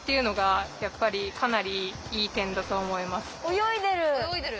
泳いでる。